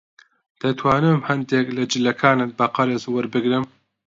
دەتوانم هەندێک لە جلەکانت بە قەرز وەربگرم؟